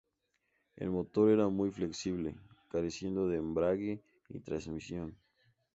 El motor era muy flexible, careciendo de embrague y transmisión.